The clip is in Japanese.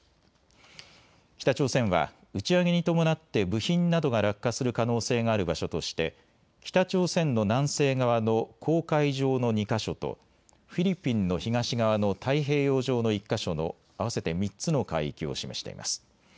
北朝鮮は打ち上げに伴って部品などが落下する可能性がある場所として北朝鮮の南西側の黄海上の２か所とフィリピンの東側の太平洋上の１か所の合わせて３つの海域を示しています。